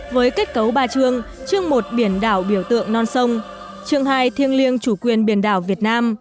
với kết cấu ba chương chương một biển đảo biểu tượng non sông chương hai thiêng liêng chủ quyền biển đảo việt nam